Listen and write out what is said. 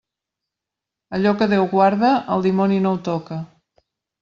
Allò que Déu guarda, el dimoni no ho toca.